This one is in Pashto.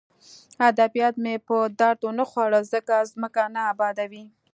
ادبیات مې په درد ونه خوړل ځکه ځمکه نه ابادوي